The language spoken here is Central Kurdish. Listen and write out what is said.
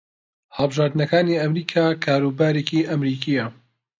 هەڵبژارنەکانی ئەمریکا کاروبارێکی ئەمریکییە